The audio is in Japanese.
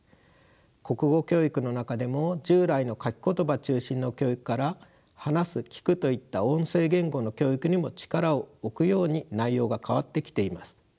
国語教育の中でも従来の書き言葉中心の教育から話す聞くといった音声言語の教育にも力を置くように内容が変わってきています。